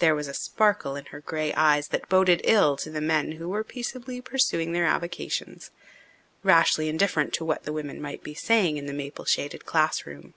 There was a sparkle in her grey eyes that boded ill to the men who were peaceably pursuing their avocations, rashly indifferent to what the women might be saying in the maple shaded classroom.